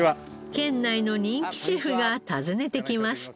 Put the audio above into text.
県内の人気シェフが訪ねてきました。